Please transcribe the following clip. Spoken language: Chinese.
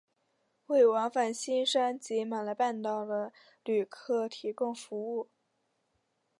为往返新山及马来半岛的旅客提供服务。